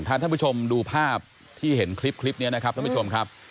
ถ้าท่านผู้ชมดูภาพที่เห็นคริปนี้ครับ